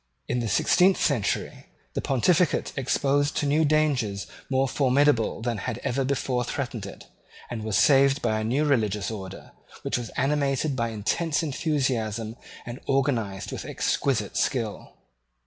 In the sixteenth century the Pontificate exposed to new dangers more formidable than had ever before threatened it, was saved by a new religious order, which was animated by intense enthusiasm and organized with exquisite skill.